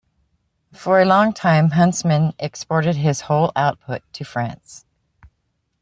For a long time Huntsman exported his whole output to France.